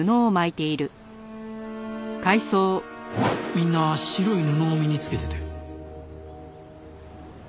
みんな白い布を身につけてて。